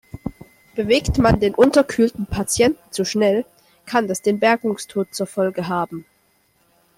Bewegt man den unterkühlten Patienten zu schnell, kann das den Bergungstod zur Folge haben.